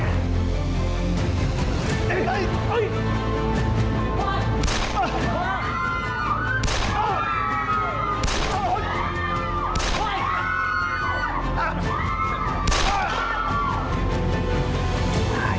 ลองส่งชิ้นไว้